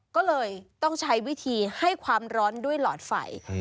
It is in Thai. ก็เลยต้องใช้วิธีให้ความร้อนด้วยหลอดไฟ